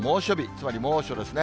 つまり猛暑ですね。